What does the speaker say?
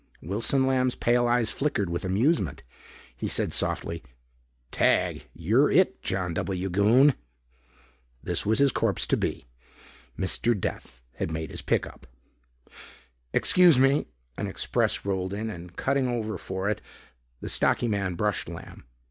Wilson Lamb's pale eyes flickered with amusement. He said softly, "Tag, you're it, John W. Goon." This was his corpse to be. Mr. Death had made his pick up. "Ex cuse me." An express rolled in and cutting over for it, the stocky man brushed Lamb.